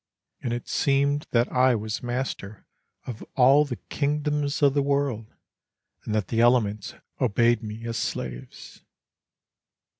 And it seemed that I was master Of all the kingdoms of the world, and that the elements Obeyed me as slaves.